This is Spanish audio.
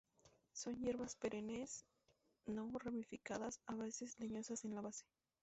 Son hierbas perennes, no ramificadas, a veces leñosas en la base.